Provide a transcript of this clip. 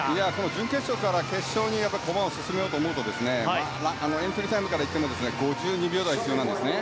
準決勝から決勝に駒を進めようと思うとエントリータイムから言っても５２秒台が必要なんですね。